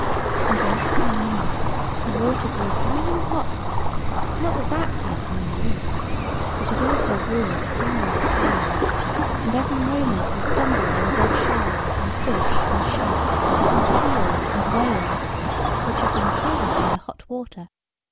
And, when he came near, the water grew boiling hot; not that that hurt him in the least: but it also grew as foul as gruel; and every moment he stumbled over dead shells, and fish, and sharks, and seals, and whales, which had been killed by the hot water.